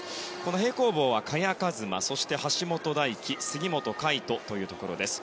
平行棒は萱和磨そして橋本大輝杉本海誉斗というところです。